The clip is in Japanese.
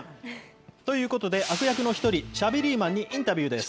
ということで、悪役の１人、シャベリーマンにインタビューです。